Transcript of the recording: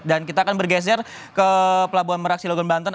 dan kita akan bergeser ke pelabuhan meraksi logan banten